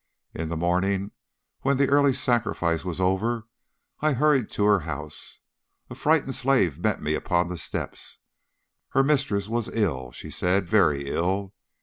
In the morning, when the early sacrifice was over, I hurried to her house. A frightened slave met me upon the steps. Her mistress was ill, she said, very ill.